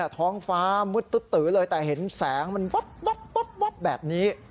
ท้องฟ้ามืดตื้อเลยแต่เห็นแสงมันวับแบบนี้